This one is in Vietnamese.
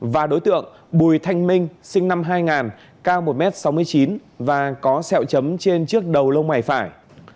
và đối tượng bùi thanh minh sinh năm hai nghìn cao một m sáu mươi chín và có sẹo chấm trên trước đầu lông mày phải